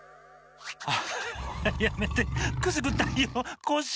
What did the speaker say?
ハハやめてくすぐったいよコッシー。